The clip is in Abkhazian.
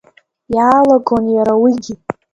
Иаалагон иара уигьы.